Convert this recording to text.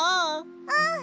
うん。